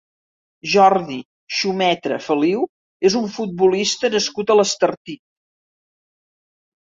Jordi Xumetra Feliu és un futbolista nascut a l'Estartit.